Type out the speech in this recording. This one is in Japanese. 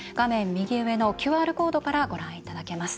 右上のＱＲコードからご覧いただけます。